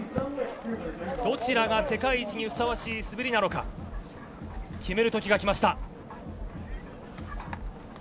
どちらが世界一にふさわしい滑りなのか決めるときがきました。